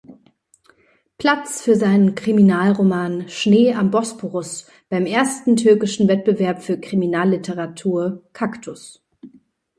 Platz für seinen Kriminalroman "Schnee am Bosporus" beim ersten türkischen Wettbewerb für Kriminalliteratur „Kaktus“.